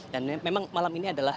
dan memang malam ini adalah